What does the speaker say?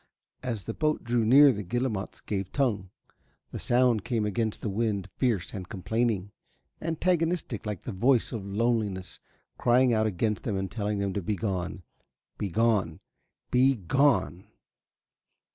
As the boat drew near the guillemots gave tongue. The sound came against the wind fierce and complaining, antagonistic like the voice of loneliness crying out against them and telling them to be gone be gone be gone!